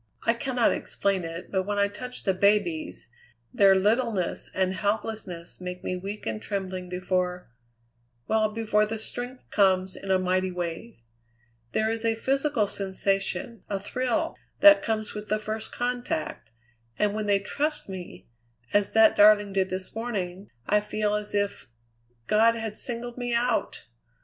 I cannot explain it, but when I touch the babies, their littleness and helplessness make me weak and trembling before well, before the strength comes in a mighty wave. There is a physical sensation, a thrill, that comes with the first contact, and when they trust me, as that darling did this morning, I feel as if God had singled me out!